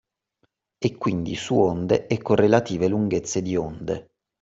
E quindi su onde e con relative lunghezze di onde.